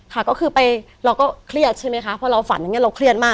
ค่ะก็คือไปเราก็เครียดใช่ไหมคะเพราะเราฝันอย่างนี้เราเครียดมาก